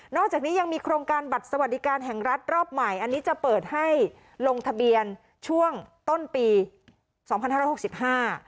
อกจากนี้ยังมีโครงการบัตรสวัสดิการแห่งรัฐรอบใหม่อันนี้จะเปิดให้ลงทะเบียนช่วงต้นปีสองพันห้าร้อยหกสิบห้า